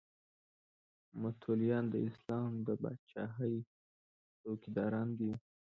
متولیان د اسلام د پاچاهۍ څوکیداران دي.